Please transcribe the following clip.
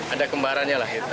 ada kembarannya lah